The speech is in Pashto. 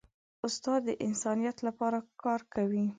استاد د انسانیت لپاره کار کوي.